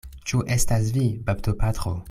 Ĉu estas vi, baptopatro?